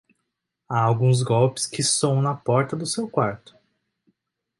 Há alguns golpes que soam na porta do seu quarto.